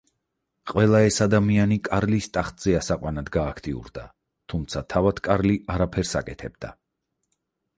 ყველა ეს ადამიანი კარლის ტახტზე ასაყვანად გააქტიურდა, თუმცა თავად კარლი არაფერს აკეთებდა.